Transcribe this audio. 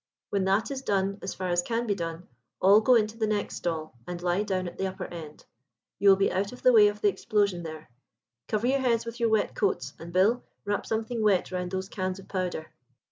When that is done as far as can be done, all go into the next stall, and lie down at the upper end; you will be out of the way of the explosion there. Cover your heads with your wet coats, and, Bill, wrap something wet round those cans of powder."